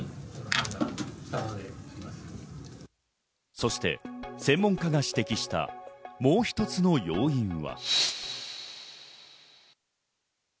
そして専門家が指摘した、もう一つの要因は。